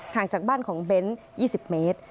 ห่างจากบ้านของเบนส์๒๐เมตร